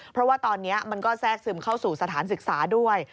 เพราะว่าตอนนี้มันก็แทรกซึมเข้าสู่สถานศึกษาด้วย